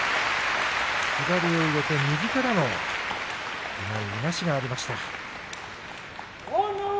左を入れて右からのいなしがありました。